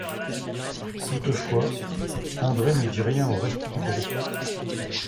Toutefois, Andre ne dit rien au reste du groupe.